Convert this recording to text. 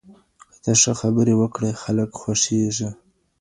که ته ښه خبري وکړې، خلګ خوښيږي.